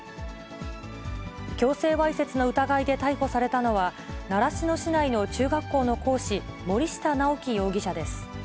強制わいせつの疑いで逮捕されたのは、習志野市内の中学校の講師、森下直樹容疑者です。